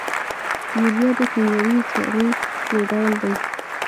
یوریا د کیمیاوي سرې یو ډول دی.